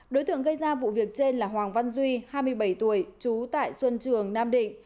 đối tượng gây ra vụ việc trên là hoàng văn duy hai mươi bảy tuổi trú tại xuân trường nam định